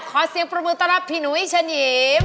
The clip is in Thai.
ขอเสียงประมูลตลอดพี่หนุ๊ยชนิม